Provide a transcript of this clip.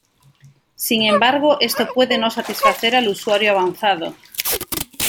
Sin embargo esto puede no satisfacer al usuario avanzado.